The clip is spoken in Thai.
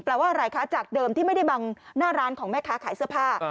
ว่าอะไรคะจากเดิมที่ไม่ได้บังหน้าร้านของแม่ค้าขายเสื้อผ้า